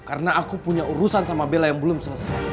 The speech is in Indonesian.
karena aku punya urusan sama bella yang belum selesai